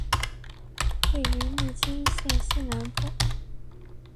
位于利津县西南部。